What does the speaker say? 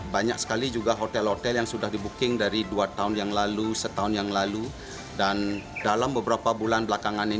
banyak sekali juga hotel hotel yang sudah dibuking dari dua tahun yang lalu satu tahun yang lalu dan dalam beberapa bulan belakangan ini juga